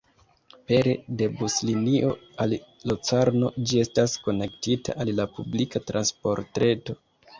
Pere de buslinio al Locarno, ĝi estas konektita al la publika transportreto.